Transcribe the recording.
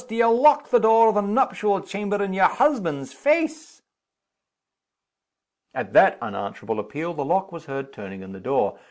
do ye lock the door of the nuptial chamber in your husband's face?" At that unanswerable appeal the lock was heard turning in the door.